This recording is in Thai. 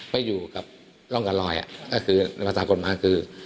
ไปอยู่กับร่องกับรอยก็คือในภาษากฎหมายคือ